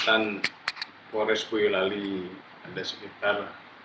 di hutan polres boyolali ada sekitar tujuh